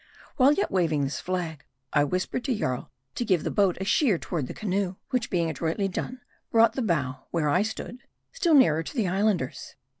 While yet waving the flag, I whispered to Jarl to give the boat a sheer toward the canoe, which being adroitly done, brought the bow, where I stood, still nearer to the Islanders.